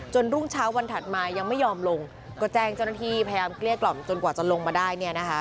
รุ่งเช้าวันถัดมายังไม่ยอมลงก็แจ้งเจ้าหน้าที่พยายามเกลี้ยกล่อมจนกว่าจะลงมาได้เนี่ยนะคะ